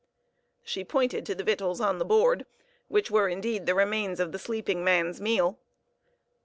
She pointed to the victuals on the board, which were indeed the remains of the sleeping man's meal.